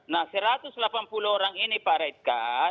nah satu ratus delapan puluh orang ini pak redka